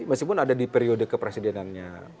meskipun ada di periode kepresidenannya